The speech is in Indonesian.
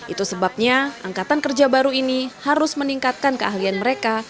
itu sebabnya angkatan kerja baru ini harus meningkatkan keahlian mereka